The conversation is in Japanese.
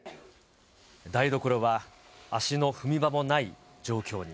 台所は足の踏み場もない状況